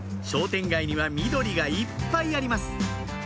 商店街には緑がいっぱいあります